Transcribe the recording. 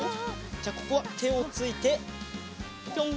じゃあここはてをついてぴょん。